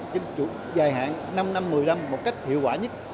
trong dài hạn năm năm một mươi năm một cách hiệu quả nhất